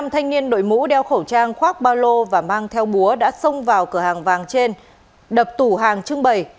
năm thanh niên đội mũ đeo khẩu trang khoác ba lô và mang theo búa đã xông vào cửa hàng vàng trên đập tủ hàng trưng bày